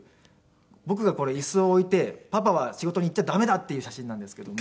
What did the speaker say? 僕がこれ椅子を置いてパパは仕事に行っちゃ駄目だっていう写真なんですけども。